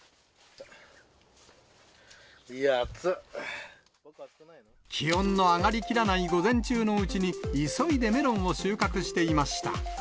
いやー、気温の上がりきらない午前中のうちに、急いでメロンを収穫していました。